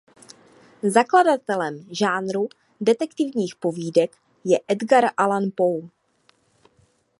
Zakladatelem žánru detektivních povídek je Edgar Allan Poe.